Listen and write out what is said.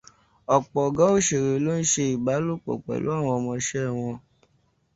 Ọ̀pọ̀ ọ̀gá òṣèré ló ń ṣe ìbálòpọ̀ pẹ̀lú àwọn ọmọ iṣẹ́ wọn.